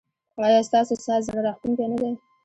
ایا ستاسو ساز زړه راښکونکی نه دی؟